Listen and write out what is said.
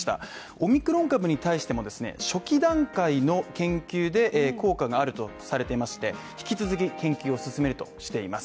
オミクロン株に対してもですね、初期段階の研究で効果があるとされていて引き続き研究を進めるとしています